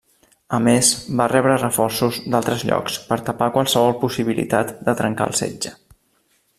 A més, va rebre reforços d'altres llocs per tapar qualsevol possibilitat de trencar el setge.